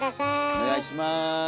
お願いします。